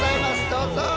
どうぞ！